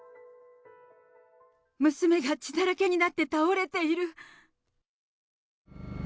娘が血だらけになって倒れている。